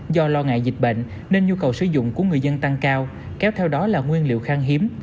do lo ngại dịch bệnh nên nhu cầu sử dụng của người dân tăng cao kéo theo đó là nguyên liệu khang hiếm